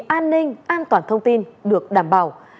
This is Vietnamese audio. an toàn thông tin được đảm bảo